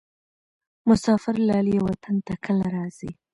مسافر لالیه وطن ته کله راځې؟